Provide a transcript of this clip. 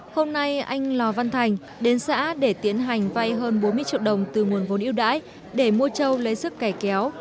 hôm nay anh lò văn thành đến xã để tiến hành vay hơn bốn mươi triệu đồng từ nguồn vốn yêu đãi để mua trâu lấy sức kẻ kéo